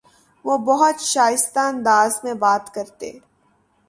وہ بہت شائستہ انداز میں بات کرتے